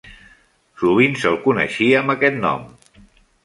Sovint se'l coneixia amb aquest nom.